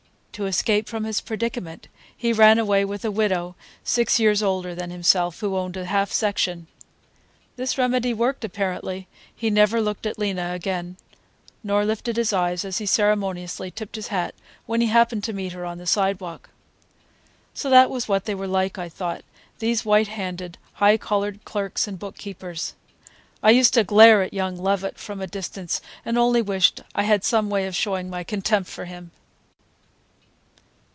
To escape from his predicament he ran away with a widow six years older than himself, who owned a half section. This remedy worked, apparently. He never looked at Lena again, nor lifted his eyes as he ceremoniously tipped his hat when he happened to meet her on the sidewalk. So that was what they were like, I thought, these white handed, high collared clerks and bookkeepers! I used to glare at young Lovett from a distance and only wished I had some way of showing my contempt for him.